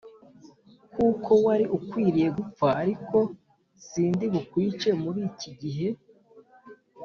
kuko wari ukwiriye gupfa ariko sindi bukwice muri iki gihe